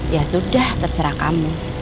ya sudah terserah kamu